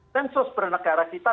tensus pernegaraan kita